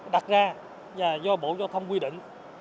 đặt ra do bộ giao thông quy định